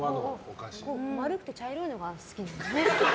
丸くて茶色いのが好きなのね。